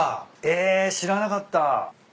え知らなかった。